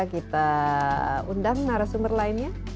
kita undang narasumber lainnya